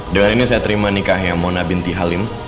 dengan ini saya terima nikahnya mona binti halim